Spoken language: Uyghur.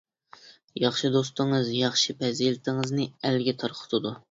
ياخشى دوستىڭىز ياخشى پەزىلىتىڭىزنى ئەلگە تارقىتىدۇ.